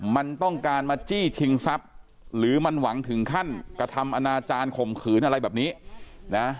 มันต้องการมาจี้ชิงทรัพย์หรือมันหวังถึงขั้นกระทำอนาจารย์ข่มขืนอะไรแบบนี้นะ